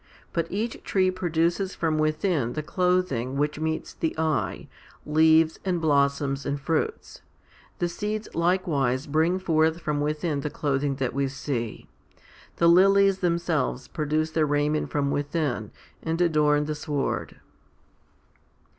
But each tree produces from within the clothing which meets the eye, leaves, and blossoms, and fruits. The seeds likewise bring forth from within the clothing that we see. 233 234 FIFTY SPIRITUAL HOMILIES The lilies themselves produce their raiment from within, and adorn the sward.